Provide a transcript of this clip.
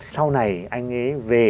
sau này anh ấy về